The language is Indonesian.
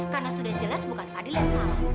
karena sudah jelas bukan fadil yang salah